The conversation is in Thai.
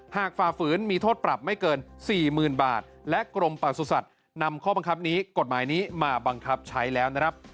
ฝ่าฝืนมีโทษปรับไม่เกิน๔๐๐๐บาทและกรมประสุทธิ์นำข้อบังคับนี้กฎหมายนี้มาบังคับใช้แล้วนะครับ